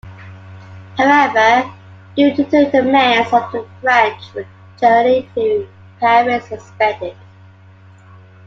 However, due to the demands of the French, the journey to Paris was suspended.